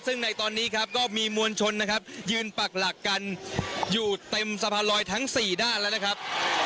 ซึ่งในตอนนี้ครับก็มีมวลชนนะครับยืนปักหลักกันอยู่เต็มสะพานลอยทั้ง๔ด้านแล้วนะครับ